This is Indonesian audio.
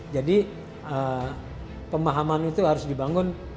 jadi pemahaman itu harus dibangun